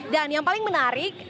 dan yang paling menarik